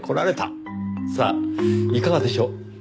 さあいかがでしょう？